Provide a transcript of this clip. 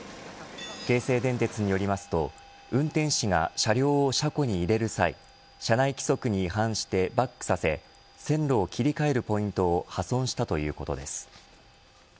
京成電鉄によりますと運転士が車両を車庫に入れる際社内規則に違反してバックさせ線路を切り替えるポイントを破損したということです。